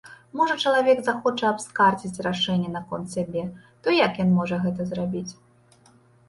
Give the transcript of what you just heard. Можа, чалавек захоча абскардзіць рашэнне наконт сябе, то як ён можа гэта зрабіць?